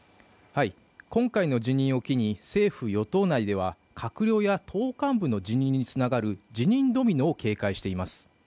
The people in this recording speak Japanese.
今回の辞任を機に政府・与党内では閣僚や党幹部の辞任につながる辞任ドミノを警戒しています。